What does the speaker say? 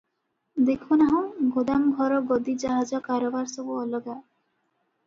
ଦେଖୁନାହଁ, ଗୋଦାମ ଘର-ଗଦି-ଜାହାଜ-କାରବାର ସବୁ ଅଲଗା ।